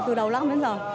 từ đầu năm đến giờ